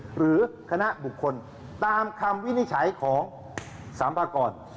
หรือคณะบุคคลตามคำวินิจฉัยของสัมภากร